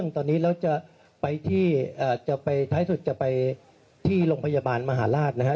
มีชวนที่บอกว่ามีเจ้าหน้าที่ที่คุณร้ายยิงด้วยค่ะ